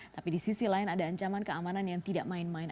tapi di sisi lain ada ancaman keamanan yang tidak main main